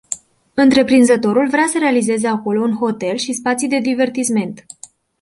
Întreprinzătorul vrea să realizeze acolo un hotel și spații de divertisment.